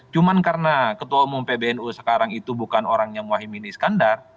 cuma karena ketua umum pbnu sekarang itu bukan orangnya muhaymin iskandar